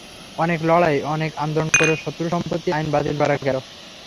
অনেক লড়াই, অনেক আন্দোলন করে শত্রু সম্পত্তি আইন বাতিল করা গেল।